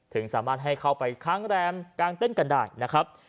ถึงสามารถให้เข้าไปค้างแรมกางเต้นกันได้นะครับ